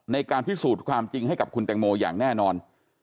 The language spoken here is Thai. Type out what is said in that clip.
ในการพิสูจน์ความจริงให้กับคุณแตงโมอย่างแน่นอน